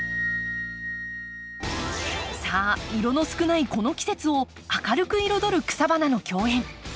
さあ色の少ないこの季節を明るく彩る草花の競演。